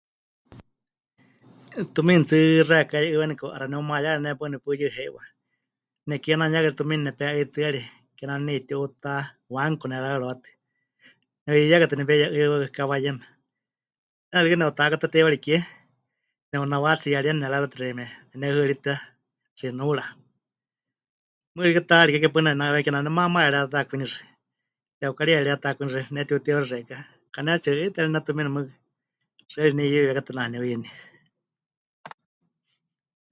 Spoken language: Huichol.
Tumiini tsɨ xɨka ka'iiwani kauka 'axa neumayare, ne paɨ nepuyɨ heiwa, nekie nehanuyaka tumiini nepe'ɨitɨarie, kename waníu ne'iti'uutá banco nerahɨawarɨwatɨ , ne'uyɨyɨakatɨ nepeiye'ɨi waɨkawa yeme, 'eena rikɨ neuta'aka ta teiwari kie, neunawatsiyarieni nera'eriwatɨ xeíme neneuhɨritɨa xinuura, mɨɨkɨ rikɨ ta 'ariké ke paɨ netinahɨaweni kename waníu maamáya retakwinixɨ, teukarieya retakwinixɨ mɨnetiutihɨawixɨ xeikɨ́a, pɨkanetsi'u'ɨitɨa ri netumiini mɨɨkɨ, xɨari neiyehɨaka tɨtɨ ri naniuyɨní.